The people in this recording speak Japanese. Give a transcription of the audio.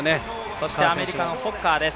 そしてアメリカのホッカーです。